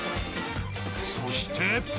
そして。